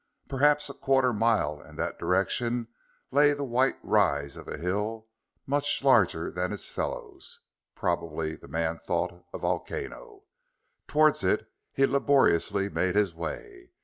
Perhaps a quarter mile in that direction lay the white rise of a hill much larger than its fellows, probably, the man thought, a volcano. Towards it he laboriously made his way.